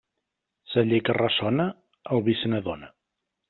Celler que ressona, el vi se n'adona.